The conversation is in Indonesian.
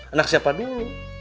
anak siapa dulu